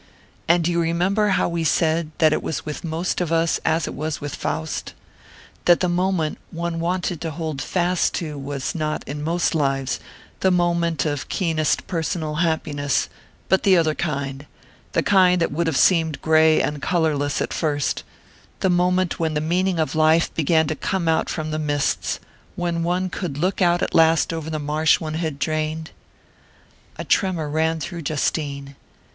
"And do you remember how we said that it was with most of us as it was with Faust? That the moment one wanted to hold fast to was not, in most lives, the moment of keenest personal happiness, but the other kind the kind that would have seemed grey and colourless at first: the moment when the meaning of life began to come out from the mists when one could look out at last over the marsh one had drained?" A tremor ran through Justine.